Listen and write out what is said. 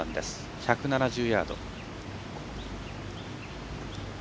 １７０ヤード。